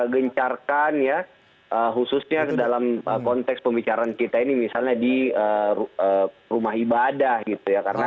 gencarkan ya khususnya dalam konteks pembicaraan kita ini misalnya di rumah ibadah gitu ya karena